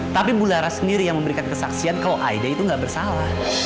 tapi bu lara sendiri yang memberikan kesaksian kalau aida itu nggak bersalah